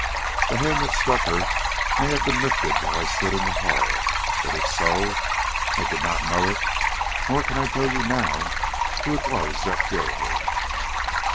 The hand that struck her may have been lifted while I stood in the hall, but if so, I did not know it, nor can I tell you now who it was that killed her."